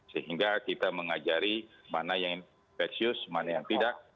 sehingga kita mengajari mana yang infeksius mana yang tidak